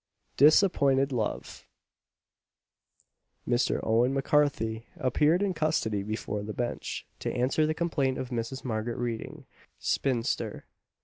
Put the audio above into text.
DISAPPOINTED LOVE. Mr. Owen M'Carthy appeared in custody before the Bench, to answer the complaint of Mrs. Margaret Reading, spinster.